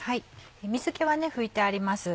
水気は拭いてあります。